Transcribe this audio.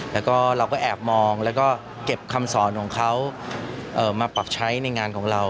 แล้วก็เราก็แอบมองแล้วก็เก็บคำสอนของเขามาปรับใช้ในงานของเรา